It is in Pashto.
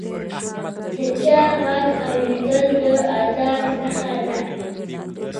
د چا ږغ اورېدل د ادب نښه ده.